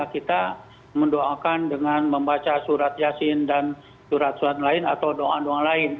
kita mendoakan dengan membaca surat yasin dan surat surat lain atau doa doa lain